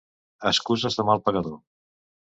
Excuses de mal pagador.